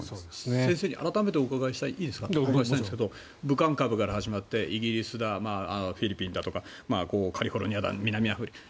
先生に改めてお伺いしたいんですが武漢株から始まってイギリスとかフィリピンだとかカリフォルニアだ南アフリカだ。